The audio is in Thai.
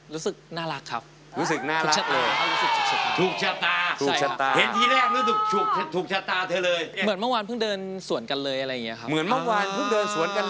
รู้สึกน่ารักครับรู้สึกน่ารัก